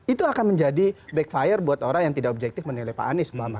itu akan menjadi backfire buat orang yang tidak objektif menilai pak anies